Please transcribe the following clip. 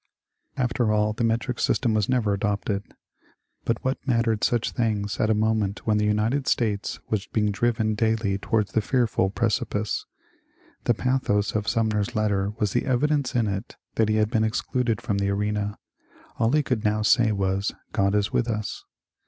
After all, the metric system was never adopted. But what mattered such things at a moment when the United States was being driven daily towards the fearful precipice? The pathos of Sumner's letter was the evidence in it that he had been excluded from the arena. All he could now say was, " God is with us."